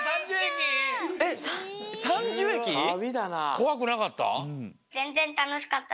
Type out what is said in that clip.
こわくなかった？